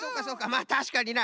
まあたしかにな。